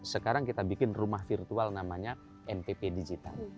sekarang kita bikin rumah virtual namanya npp digital